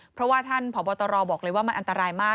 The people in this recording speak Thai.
เพราะว่าท่านผอบตรบอกเลยว่ามันอันตรายมาก